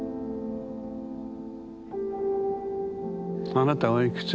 あなたおいくつ？